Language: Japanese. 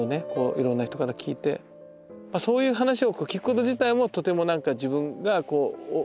いろんな人から聞いてそういう話を聞くこと自体もとてもなんか自分が兄から。